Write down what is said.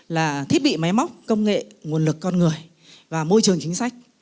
là thiết bị máy móc công nghệ nguồn lực con người và môi trường chính sách